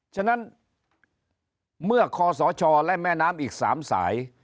ฉะนั้นเมื่อคอสชและแม่น้ำอีก๓สาย